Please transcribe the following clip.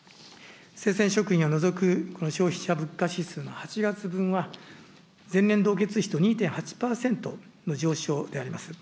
生鮮食品を除く消費者物価指数の８月分は、前年同月比と２．８％の上昇であります。